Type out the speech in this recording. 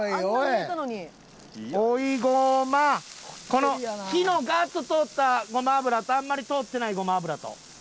この火のガーッと通ったごま油とあんまり通ってないごま油と。